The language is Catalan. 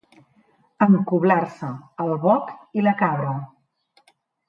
Encoblar-se el boc i la cabra.